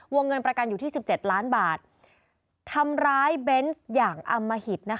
วงเงินประกันอยู่ที่๑๗ล้านบาท